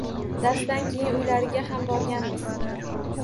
Darsdan keyin uylariga ham borganmiz